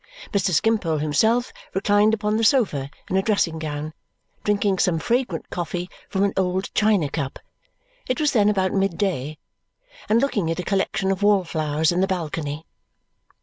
Mr. Skimpole himself reclined upon the sofa in a dressing gown, drinking some fragrant coffee from an old china cup it was then about mid day and looking at a collection of wallflowers in the balcony.